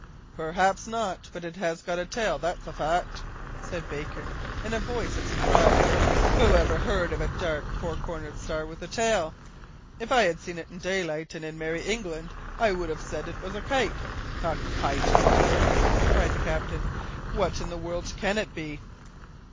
"Perhaps not, but it has got a tail, that's a fact," said Baker, in a voice of surprise. "Who ever heard of a dark, four cornered star with a tail? If I had seen it in daylight, and in Merry England, I would have said it was a kite!" "A kite! nonsense," cried the captain; "what in the world can it be?"